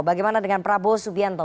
bagaimana dengan prabowo subianto